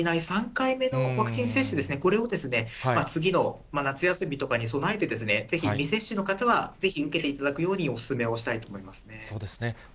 ３回目のワクチン接種ですね、これを次の夏休みとかに備えて、ぜひ未接種の方はぜひ受けていただくようにお勧めをしたいと思いそうですね。